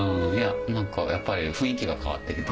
何かやっぱり雰囲気が変わって来とる。